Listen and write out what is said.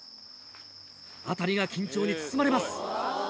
辺りが緊張に包まれます。